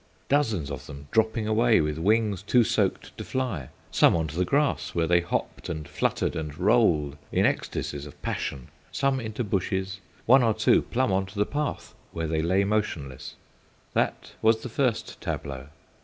Dozens of them dropping away, with wings too soaked to fly, some on to the grass, where they hopped and fluttered and rolled in ecstasies of passion, some into bushes, one or two plumb on to the path, where they lay motionless; that was the first tableau.